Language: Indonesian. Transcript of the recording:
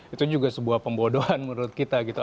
itu juga sebuah pembodohan menurut kita gitu